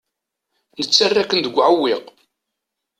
Nettarra-ken deg uɛewwiq.